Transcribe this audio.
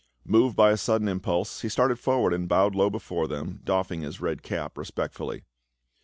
Moved by a sudden impulse, he started forward and bowed low before them, doffing his red cap respectfully.